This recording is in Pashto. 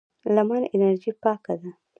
لمر انرژي پاکه ده.